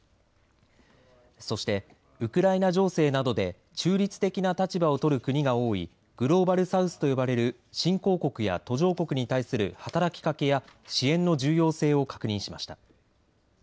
そして、ウクライナ情勢などで中立的な立場をとる国が多いグローバル・サウスと呼ばれる新興国や途上国に対する働きかけや支援の重要性を確認しました。